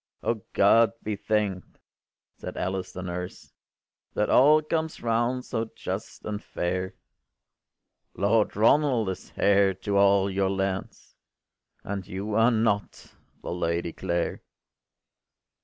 ” “O God be thank’d!” said Alice the nurse, “That all comes round so just and fair: Lord Ronald is heir of all your lands, And you are not the Lady Clare.